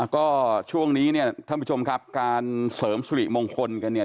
ก็ช่วงนี้ท่านผู้ชมครับการเสริมสุริมงคลกัน